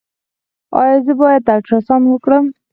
ایا زه باید الټراساونډ وکړم؟